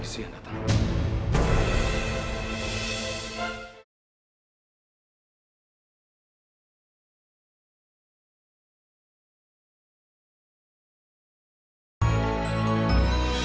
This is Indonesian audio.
sip lagi sih yang datang